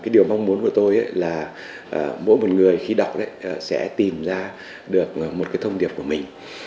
điều mong muốn của tôi là mỗi một người khi đọc sẽ tìm ra được một cái thông điệp của mình